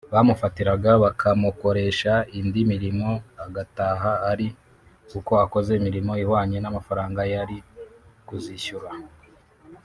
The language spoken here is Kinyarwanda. bamufatiraga bakamokoresha indi mirimo agataha ari uko akoze imirimo ihwanye n’amafaranga yari kuzishyura